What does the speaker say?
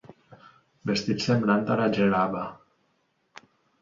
Vestit semblant a la gel·laba.